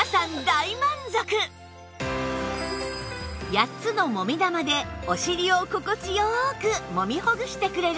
８つのもみ玉でお尻を心地良くもみほぐしてくれる